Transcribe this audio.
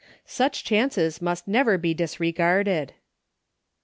Such chances must never be dis regarded.